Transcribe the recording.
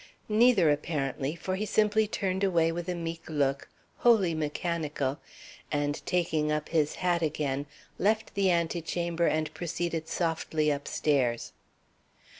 Neither, apparently, for he simply turned away with a meek look, wholly mechanical, and taking up his hat again, left the antechamber and proceeded softly upstairs.